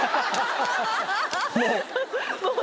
もう。